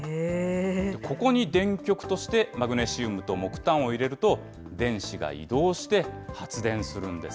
ここに電極として、マグネシウムと木炭を入れると、電子が移動して、発電するんです。